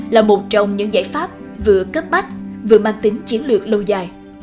là một trong những giải pháp vừa cấp bách vừa mang tính chiến lược lâu dài